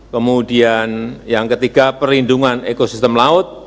kemudian yang ketiga perlindungan ekosistem laut